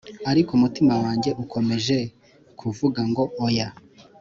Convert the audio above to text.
ariko umutima wanjye ukomeje kuvuga ngo oya.